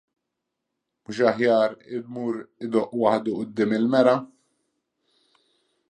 Mhux aħjar imur idoqq waħdu quddiem il-mera.